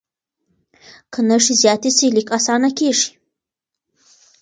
که نښې زیاتې سي، لیک اسانه کېږي.